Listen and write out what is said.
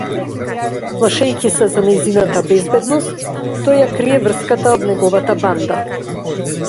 Плашејќи се за нејзината безбедност, тој ја крие врската од неговата банда.